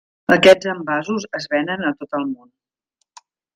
Aquests envasos es venen a tot el món.